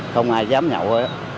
không ai dám nhậu hết